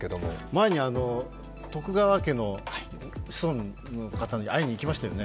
前に徳川家の子孫の方に会いにいきましたよね。